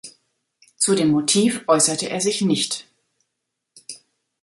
Zu dem Motiv äußerte er sich nicht.